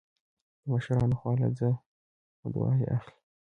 د مشرانو خوا له ځه او دعا يې اخله